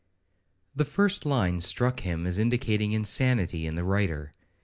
The first lines struck him as indicating insanity in the writer.